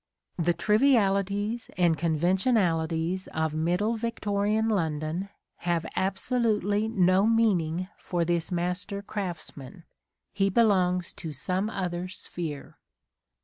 The trivialities and conventionalities of middle Victorian London have absolutely no meaning for this master craftsman : he belongs to some other sphere.